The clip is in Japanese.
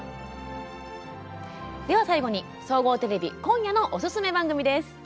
最後に、総合テレビ今夜のおすすめ番組です。